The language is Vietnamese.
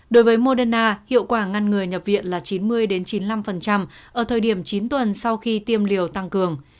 đối với moderna hiệu quả ngăn người nhập viện là chín mươi chín mươi năm ở thời điểm chín tuần sau khi tiêm liều tăng cường